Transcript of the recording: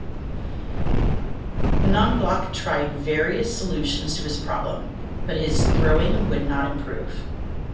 Knoblauch tried various solutions to his problem, but his throwing would not improve.